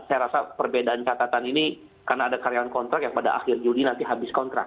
saya rasa perbedaan catatan ini karena ada karyawan kontrak yang pada akhir juli nanti habis kontrak